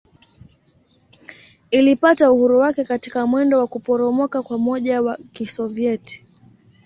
Ilipata uhuru wake katika mwendo wa kuporomoka kwa Umoja wa Kisovyeti.